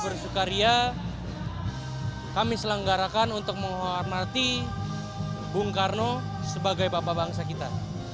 bersukaria kami selenggarakan untuk menghormati bung karno sebagai bapak bangsa kita